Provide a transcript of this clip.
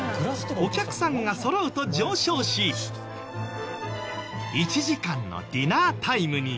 お客さんがそろうと上昇し１時間のディナータイムに。